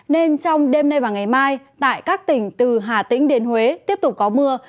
nên trong đêm nay và ngày mai tại các tỉnh từ hà tĩnh đến huế tiếp tục có mưa